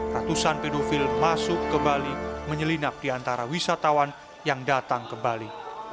ratusan pedofil masuk ke bali menyelinap di antara wisatawan yang datang ke bali